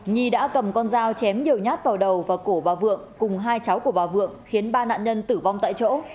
nhi đã cầm con dao chém nhiều nhát vào đầu và cổ bà vượng cùng hai cháu của bà vượng khiến ba nạn nhân tử vong tại chỗ